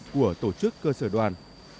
của tổ chức cơ sở đoàn